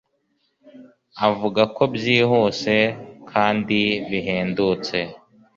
Avuga ko byihuse kandi bihendutse